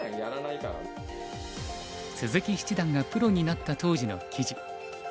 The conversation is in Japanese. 鈴木七段がプロになった当時の記事。